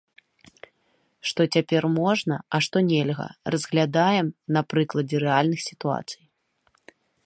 Што цяпер можна, а што нельга, разглядаем на прыкладзе рэальных сітуацый.